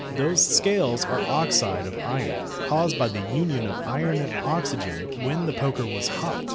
Those scales are oxide of iron, caused by the union of iron and oxygen when the poker was hot.